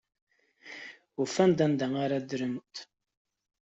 Ufant-d anda ara ddrent.